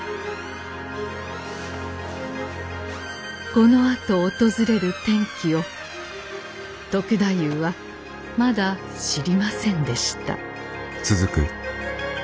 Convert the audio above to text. このあと訪れる転機を篤太夫はまだ知りませんでした。